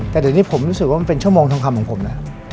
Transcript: แต่ตอนนี้ผมรู้สึกว่ามันเป็นชั่วโมงทางคำของผมนะ